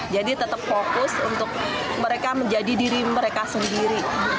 jadi tetap fokus untuk mereka menjadi diri mereka sendiri